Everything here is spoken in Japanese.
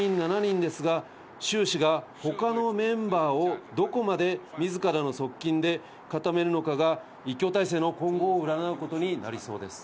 現在は定員７人ですかシュウ氏が他のメンバーをどこまでみずからの側近で固めるのかが、１強体制の今後を占うことになりそうです。